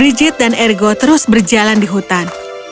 rigid dan ergo terus berjalan di hutan